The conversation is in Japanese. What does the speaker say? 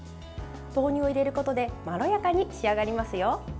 豆乳を入れることでまろやかに仕上がりますよ。